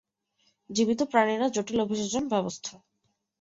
জীবিত প্রাণীরা জটিল অভিযোজন ব্যবস্থা।